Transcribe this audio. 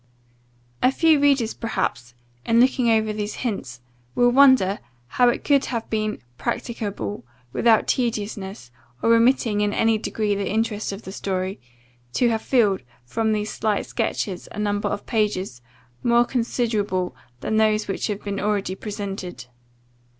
'" A few readers perhaps, in looking over these hints, will wonder how it could have been practicable, without tediousness, or remitting in any degree the interest of the story, to have filled, from these slight sketches, a number of pages, more considerable than those which have been already presented.